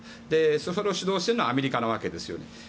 それを主導しているのはアメリカなわけですよね。